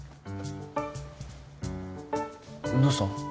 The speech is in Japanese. どうした？